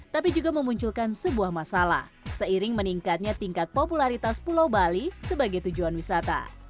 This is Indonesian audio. tapi juga memunculkan sebuah masalah seiring meningkatnya tingkat popularitas pulau bali sebagai tujuan wisata